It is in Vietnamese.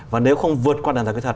và nếu không vượt qua hàng rào kỹ thuật